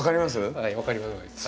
はい分かります。